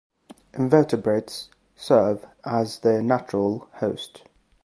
Invertebrates serve as the natural host.